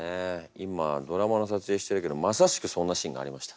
今ドラマのさつえいしてるけどまさしくそんなシーンがありました。